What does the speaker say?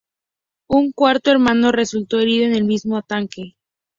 Un cuarto hermano resultó herido en el mismo ataque.